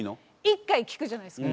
一回聴くじゃないですか。